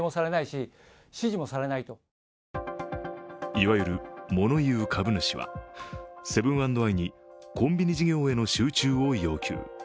いわゆる物言う株主はセブン＆アイにコンビニ事業への集中を要求。